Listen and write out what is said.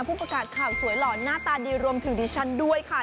ผู้ประกาศข่าวสวยหล่อนหน้าตาดีรวมถึงดิฉันด้วยค่ะ